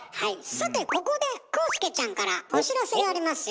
さてここで浩介ちゃんからお知らせがありますよ。